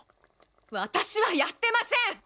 私はやってません！